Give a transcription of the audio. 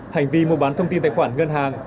hành vi mua bán thông tin tài khoản ngân hàng